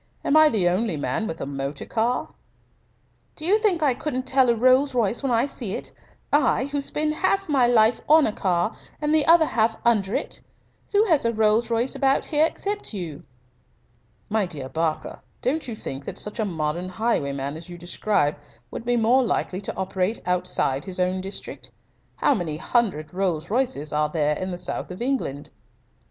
Am I the only man with a motor car?" "Do you think I couldn't tell a Rolls Royce when I see it I, who spend half my life on a car and the other half under it? Who has a Rolls Royce about here except you?" "My dear Barker, don't you think that such a modern highwayman as you describe would be more likely to operate outside his own district? How many hundred Rolls Royces are there in the South of England?"